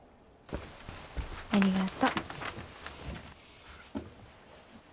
ありがと。